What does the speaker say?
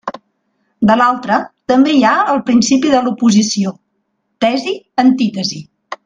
De l'altra, també hi ha el principi de l'oposició: tesi-antítesi.